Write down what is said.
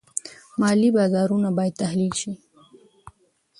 مالي بازارونه باید تحلیل شي.